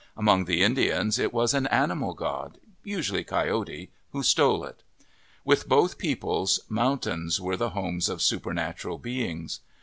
Among the Indians it was an animal god, usually Coyote, who stole it. With both peoples, mountains were the homes of supernatural beings.